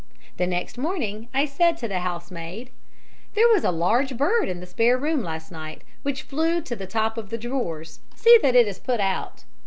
The next morning I said to the housemaid: "'There was a large bird in the spare room last night, which flew to the top of the drawers. See that it is put out.'